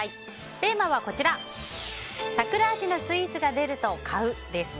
テーマは桜味のスイーツが出ると買うです。